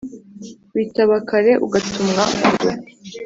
Witaba kare ugatumwa kure.